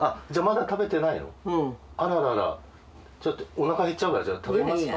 おなか減っちゃうから食べますか？